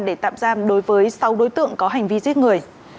để tạm giam đối với sáu đối tượng có hành vi giết người